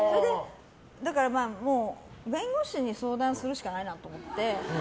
もう、弁護士に相談するしかないなと思って。